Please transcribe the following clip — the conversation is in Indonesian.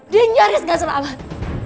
dia nyaris gak selamat